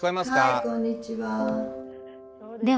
はいこんにちは。